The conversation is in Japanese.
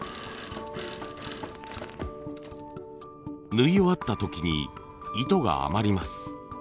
縫い終わった時に糸が余ります。